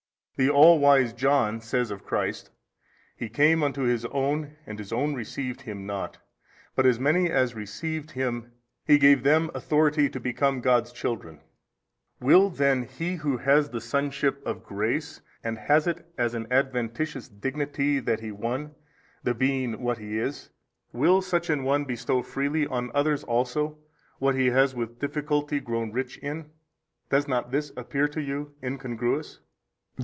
A. The all wise John says of Christ, He came unto His own and His own received Him not, but as many as received Him He gave them authority to become God's children. Will |268 then he who has the sonship of grace and has it as an adventitious dignity that he won the being what he is; will such an one bestow freely on others also what he has with difficulty grown rich in? does not this appear to you incongruous?